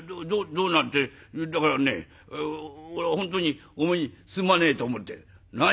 「どうだってだからね俺は本当にお前にすまねえと思ってんだ」。